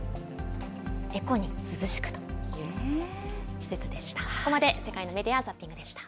エコに涼しくという施設でした。